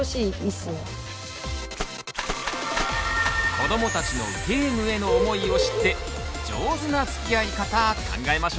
子どもたちのゲームへの思いを知って上手なつきあい方考えましょう！